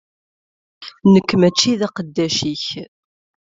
Nekk mačči d aqeddac-ik!